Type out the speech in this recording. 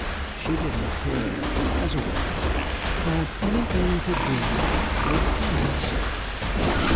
She didn't care, as a rule, to have anything to do with hens.